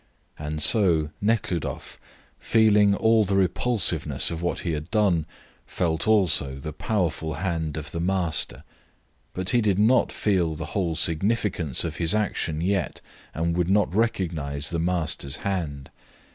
And so, Nekhludoff, feeling all the repulsiveness of what he had done, felt also the powerful hand of the Master, but he did not feel the whole significance of his action yet and would not recognise the Master's hand.